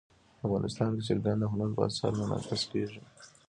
افغانستان کې چرګان د هنر په اثار کې منعکس کېږي.